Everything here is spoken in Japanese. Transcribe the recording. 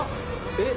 えっ？